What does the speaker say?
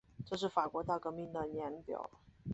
这是法国大革命的年表